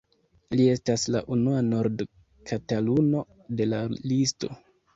Li estas la unua nord-Kataluno de la listo.